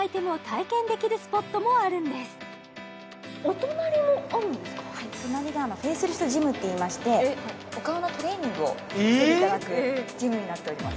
隣がＦＡＣＥＬＩＦＴＧＹＭっていいましてお顔のトレーニングをしていただくジムになっております